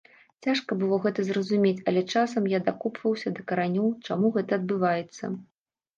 Цяжка было гэта зразумець, але часам я дакопваўся да каранёў, чаму гэта адбываецца.